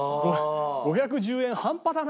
５１０円半端だな。